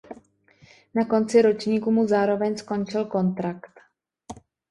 Na konci ročníku mu zároveň skončil kontrakt.